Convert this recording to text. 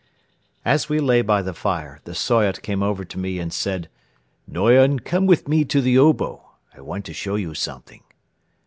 As we lay by the fire, the Soyot came over to me and said: "Noyon, come with me to the obo. I want to show you something."